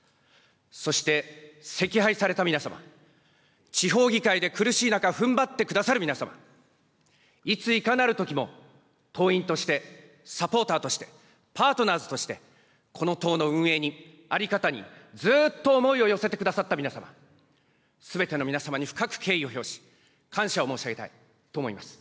そして惜敗された皆様、地方議会で苦しい中、ふんばってくださる皆様、いついかなるときも、党員として、サポーターとして、パートナーズとして、この党の運営に、在り方にずっと思いを寄せてくださった皆様、すべての皆様に深く敬意を表し、感謝を申し上げたいと思います。